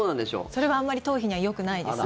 それはあんまり頭皮にはよくないですね。